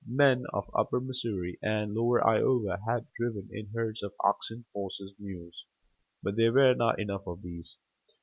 Men of upper Missouri and lower Iowa had driven in herds of oxen, horses, mules; but there were not enough of these.